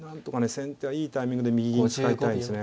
先手はいいタイミングで右銀使いたいですね。